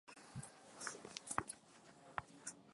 Tutashinda vita hii endapo wananchi pia watatuunga mkono